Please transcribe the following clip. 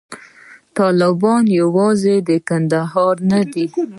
طالبان یوازې د کندهار نه دي.